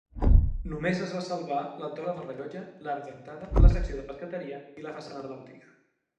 Només es va salvar la torre del rellotge, l'arc d'entrada, la secció de pescateria i la façana de la botiga.